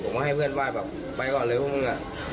ผมก็ให้เพื่อนไหว้ไปก่อนเลยพวกมึง